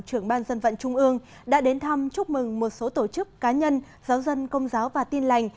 trưởng ban dân vận trung ương đã đến thăm chúc mừng một số tổ chức cá nhân giáo dân công giáo và tin lành